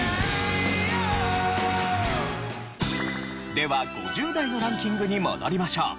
では５０代のランキングに戻りましょう。